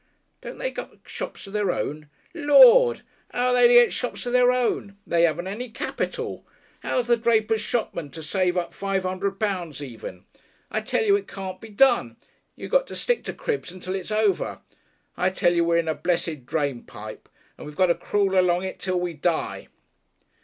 "Don't they get shops of their own?" "Lord! 'Ow are they to get shops of their own? They 'aven't any capital! How's a draper's shopman to save up five hundred pounds even? I tell you it can't be done. You got to stick to cribs until it's over. I tell you we're in a blessed drainpipe, and we've got to crawl along it till we die."